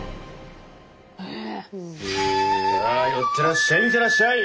さあ寄ってらっしゃい！